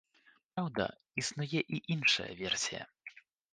Праўда, існуе і іншая версія.